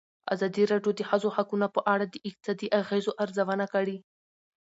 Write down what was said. ازادي راډیو د د ښځو حقونه په اړه د اقتصادي اغېزو ارزونه کړې.